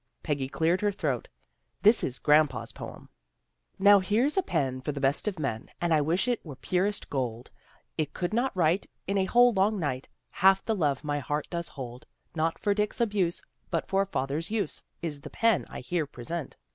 Peggy cleared her throat. '' This is grandpa's poem. CHRISTMAS PREPARATIONS 175 " Now, here's a pen for the best of men, And I wish it were purest gold. It could not write, in a whole long night, Half the love my heart does hold. Not for Dick's abuse, but for father's use, Is the pen I here present.